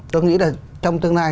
tôi nghĩ là trong tương lai